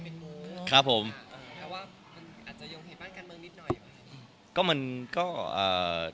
นะครับว่ามันอาจจะยงเหตุการณ์การเมืองนิดหน่อยหรือไม่ครับ